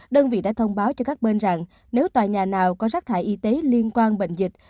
đơn vị đã thông báo cho các bên rằng nếu tòa nhà nào có rác thải y tế liên quan bệnh dịch